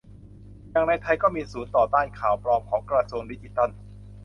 อย่างในไทยก็มีทั้งศูนย์ต่อต้านข่าวปลอมของกระทรวงดิจิทัล